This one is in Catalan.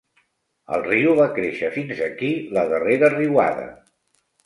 El riu va créixer fins aquí la darrera riuada.